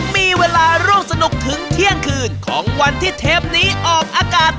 มีเวลาร่วมสนุกถึงเที่ยงคืนของวันที่เทปนี้ออกอากาศ